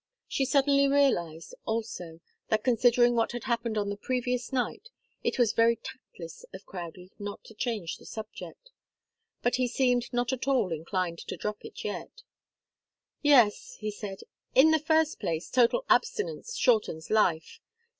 She suddenly realized, also, that considering what had happened on the previous night, it was very tactless of Crowdie not to change the subject. But he seemed not at all inclined to drop it yet. "Yes," he said. "In the first place, total abstinence shortens life.